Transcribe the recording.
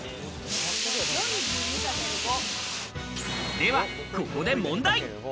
ではここで問題！